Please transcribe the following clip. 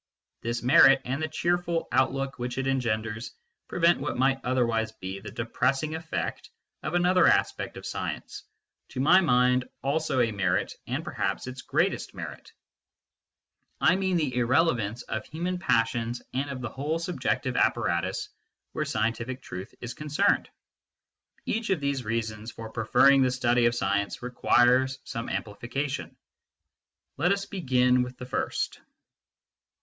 This merit and the cheerful outlook which it engenders prevent what might otherwise be the de pressing effect of another aspect of science, to my mind also a merit, and perhaps its greatest merit I mean the irrelevance of human passions and of the whole subjective apparatus where scientific truth is concerned. Each of these reasons for preferring the study of science requires some amplification. Let us begin with the first.